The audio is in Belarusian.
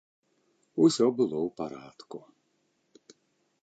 Усё было ў парадку.